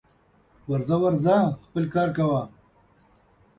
ورځه ورځه خپل کار کوه